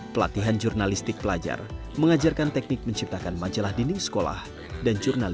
pelatihan jurnalistik pelajar mengajarkan teknik menciptakan majalah dinding sekolah dan jurnalistik